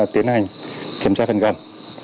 tiến hành kiểm tra phần gầm